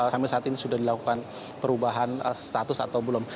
sampai saat ini sudah dilakukan perubahan status atau belum